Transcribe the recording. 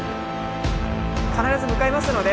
必ず向かいますので。